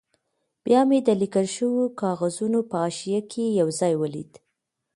بیا مې د لیکل شوو کاغذونو په حاشیه کې یو ځای ولید.